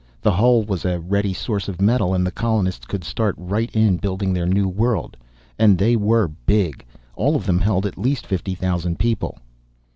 The hull was a ready source of metal and the colonists could start right in building their new world. And they were big. All of them held at least fifty thousand people